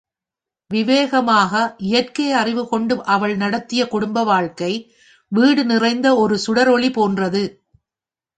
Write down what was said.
விவேகமான இயற்கை அறிவு கொண்டு அவள் நடத்திய குடும்ப வாழ்க்கை, வீடு நிறைந்த ஒரு சுடரொளி போன்றது.